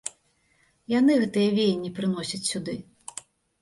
Яны гэтыя веянні прыносяць сюды.